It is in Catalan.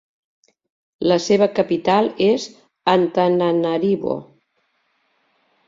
La seva capital és Antananarivo.